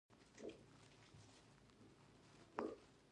دی را ته ګویان و او ما پایډل واهه.